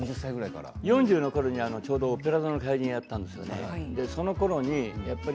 ４０のころにちょうど「オペラ座の怪人」をやったんですよね。